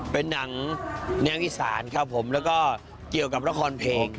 เป็นหนังแนวอีสานครับผมแล้วก็เกี่ยวกับละครเพลง